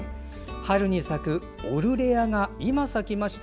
春に咲くオルレアが今、咲きました。